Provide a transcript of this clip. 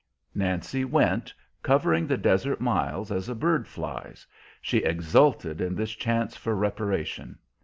Nancy went, covering the desert miles as a bird flies; she exulted in this chance for reparation.